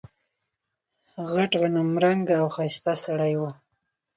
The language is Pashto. غټ غنم رنګه او ښایسته سړی و.